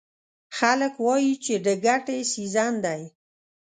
خلک وایي چې د ګټې سیزن دی.